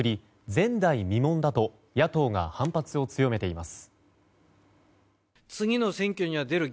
前代未聞だと野党が反発を強めています。